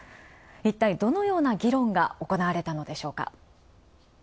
いったい、どのような議論がおこなわれたのでしょうか。